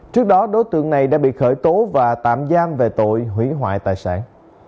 trước đó đối tượng này đã bị khởi tố và tạm giam về tội hủy hoại tài sản